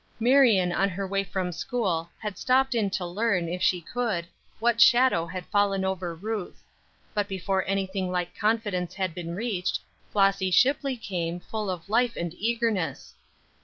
MARION on her way from school, had stopped in to learn, if she could, what shadow had fallen over Ruth. But before anything like confidence had been reached, Flossy Shipley, came, full of life and eagerness.